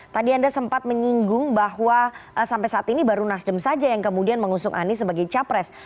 tadi anda sempat menyinggung bahwa sampai saat ini baru nasdem saja yang kemudian mengusung anies sebagai capres